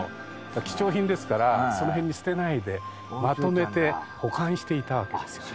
貴重品ですからその辺に捨てないでまとめて保管していたわけですよね。